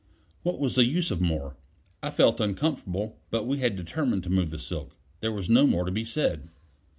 What was the use of more? I felt uncomfortable; but we had determined to move the silk; there was no more to be said.